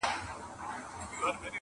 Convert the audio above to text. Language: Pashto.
رندان سنګسار ته یوسي دوی خُمونه تښتوي،